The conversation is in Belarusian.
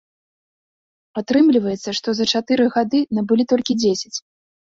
Атрымліваецца, што за чатыры гады набылі толькі дзесяць.